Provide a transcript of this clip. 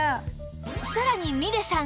さらにみれさん